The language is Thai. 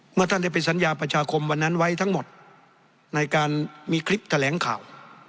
เมื่อท่านได้เป็นสัญญาประชาคมวันนั้นไว้ทั้งหมดในการมีคลิปแถลงข่าว